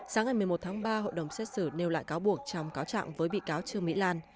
sáng ngày một mươi một tháng ba hội đồng xét xử nêu lại cáo buộc trong cáo trạng với bị cáo trương mỹ lan